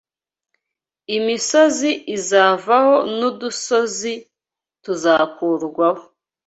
Imisozi izavaho n’udusozi tuzakurwaho